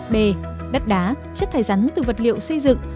b đất đá chất thải rắn từ vật liệu xây dựng